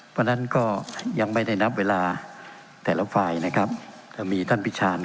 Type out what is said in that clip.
เพราะฉะนั้นก็ยังไม่ได้นับเวลาแต่ละฝ่ายนะครับจะมีท่านพิชาน